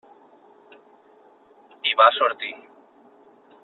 I va sortir.